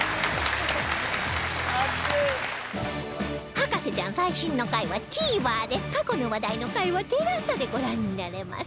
『博士ちゃん』最新の回は ＴＶｅｒ で過去の話題の回は ＴＥＬＡＳＡ でご覧になれます